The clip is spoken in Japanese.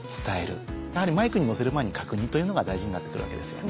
やはりマイクに乗せる前に確認というのが大事になってくるわけですよね。